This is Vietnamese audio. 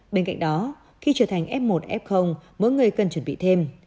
bên cạnh đó khi trở thành f một f mỗi người cần chuẩn bị thêm